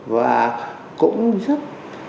và cũng rất